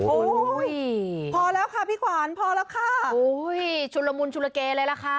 โอ้ยพอแล้วค่ะพี่ขวานพอแล้วค่ะโอ้ยชุนละมุนชุลเกเลยล่ะค่ะ